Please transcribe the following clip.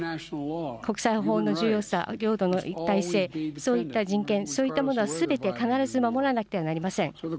国際法の重要さ、領土の一体性、そういった人権、そういったものはすべて必ず守らなくてはなりません。